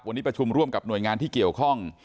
วันนี้ประชุมร่วมกับหน่วยงานที่เกี่ยวข้อง